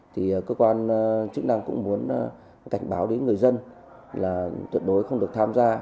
thì cơ quan chức năng cũng muốn cảnh báo đến người dân là tuyệt đối không được tham gia